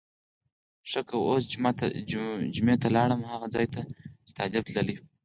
ښه که اوس جمعه ته لاړم هغه ځای ته چې طالب تللی.